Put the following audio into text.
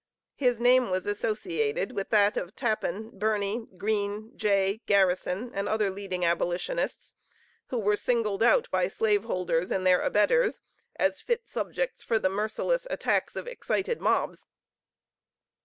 His name was associated with that of Tappan, Birney, Green, Jay, Garrison, and other leading Abolitionists, who were singled out by slave holders and their abettors as fit subjects for the merciless attacks of excited mobs.